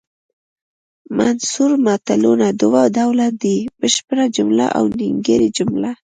منثور متلونه دوه ډوله دي بشپړه جمله او نیمګړې جمله